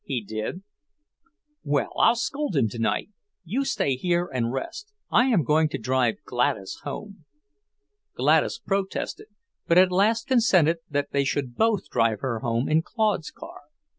"He did." "Well, I'll scold him tonight. You stay here and rest. I am going to drive Gladys home." Gladys protested, but at last consented that they should both drive her home in Claude's car.